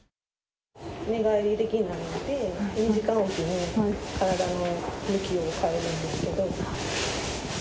寝返りできないので、２時間置きに体の向きを変えるんですけど。